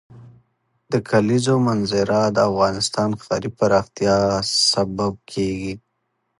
د کلیزو منظره د افغانستان د ښاري پراختیا سبب کېږي.